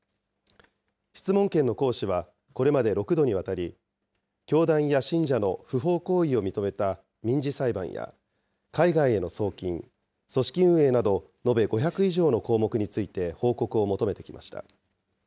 質問権の行使は、これまで６度にわたり、教団や信者の不法行為を認めた民事裁判や、海外への送金、組織運営など延べ５００以上の項目について報告を求めてきました。